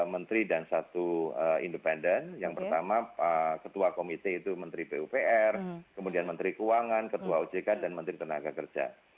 menteri dan satu independen yang pertama ketua komite itu menteri pupr kemudian menteri keuangan ketua ojk dan menteri tenaga kerja